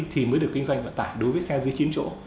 thì mới được kinh doanh vận tải đối với xe dưới chín chỗ